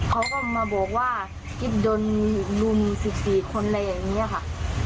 เขาก็มาบอกว่ากิ๊บโดนรุม๑๔คนอะไรอย่างนี้ค่ะ